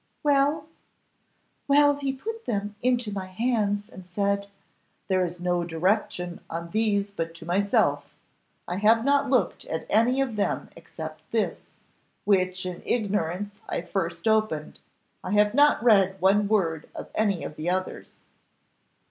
"Well?" "Well, he put them into my hands and said, 'There is no direction on these but to myself, I have not looked at any of them except this, which in ignorance I first opened; I have not read one word of any of the others.